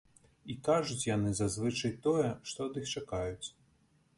І кажуць яны зазвычай тое, што ад іх чакаюць.